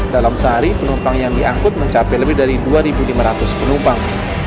dalam sehari penumpang yang diangkut mencapai lebih dari dua lima ratus penumpang